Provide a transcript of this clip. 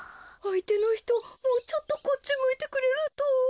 あいてのひともうちょっとこっちむいてくれると。